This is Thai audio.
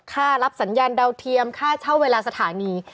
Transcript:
รับสัญญาณดาวเทียมค่าเช่าเวลาสถานี